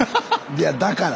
いやだから！